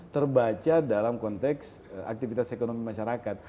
terbaca dalam konteks aktivitas ekonomi masyarakat